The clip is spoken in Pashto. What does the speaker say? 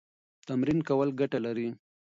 تمرین کول ګټه لري.